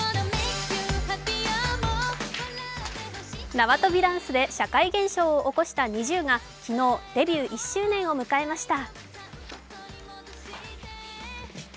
縄跳びダンスで社会現象を起こしたＮｉｚｉＵが昨日、デビュー１周年を迎えました